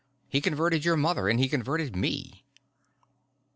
He converted your mother, and he converted me."